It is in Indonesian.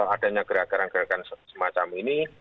adanya gerakan gerakan semacam ini